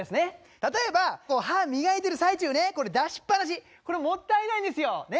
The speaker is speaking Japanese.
例えば、歯磨いてる最中ねこれ出しっぱなしこれもったいないですよ、ね。